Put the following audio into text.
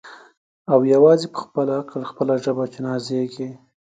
او یوازي په خپل عقل خپله ژبه چي نازیږي